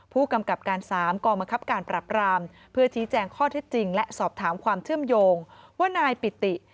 ผู้กำกับการ๓กองบังคับการปรับรามเพื่อชี้แจงข้อเท็จจริงและสอบถามความเชื่อมโยงว่านายปิติ